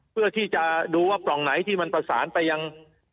เพื่อที่จะดูว่าปล่องไหนที่มันประสานไปยัง